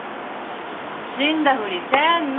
もう死んだふりせんの！